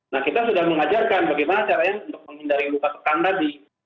nah kita sudah mengajarkan bagaimana caranya untuk menghindari luka tekan tadi